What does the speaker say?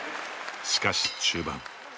しかし、中盤。